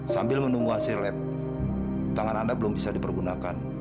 sambil menunggu hasil lab tangan anda belum bisa dipergunakan